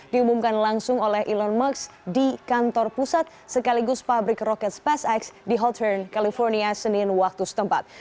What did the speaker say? diumumkan langsung oleh elon musk di kantor pusat sekaligus pabrik roket spacex di haltern california senin waktu setempat